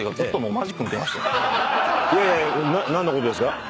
いやいや何のことですか？